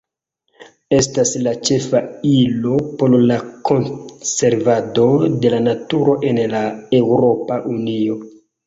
Estas la ĉefa ilo por la konservado de la naturo en la Eŭropa Unio.